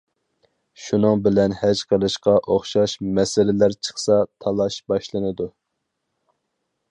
شۇنىڭ بىلەن ھەج قىلىشقا ئوخشاش مەسىلىلەر چىقسا تالاش باشلىنىدۇ.